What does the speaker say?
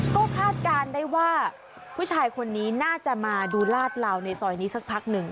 ก็คาดการณ์ได้ว่าผู้ชายคนนี้น่าจะมาดูลาดเหลาในซอยนี้สักพักหนึ่ง